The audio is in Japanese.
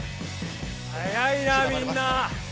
はやいなみんな！